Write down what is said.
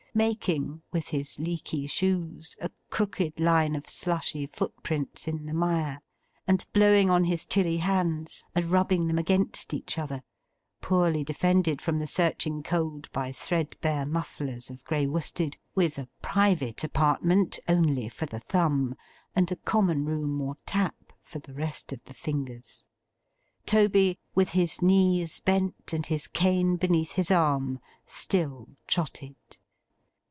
Making, with his leaky shoes, a crooked line of slushy footprints in the mire; and blowing on his chilly hands and rubbing them against each other, poorly defended from the searching cold by threadbare mufflers of grey worsted, with a private apartment only for the thumb, and a common room or tap for the rest of the fingers; Toby, with his knees bent and his cane beneath his arm, still trotted.